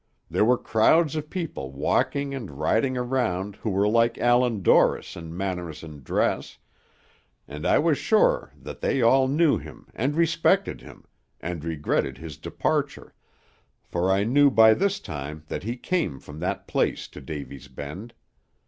There were crowds of people walking and riding around who were like Allan Dorris in manners and dress, and I was sure that they all knew him, and respected him, and regretted his departure, for I knew by this time that he came from that place to Davy's Bend.